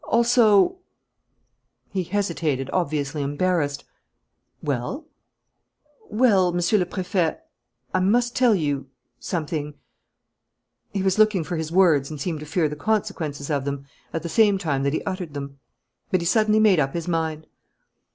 Also " He hesitated, obviously embarrassed. "Well?" "Well, Monsieur le Préfet, I must tell you something " He was looking for his words and seemed to fear the consequences of them at the same time that he uttered them. But he suddenly made up his mind.